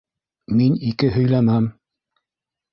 Мин ике һөйләмәм.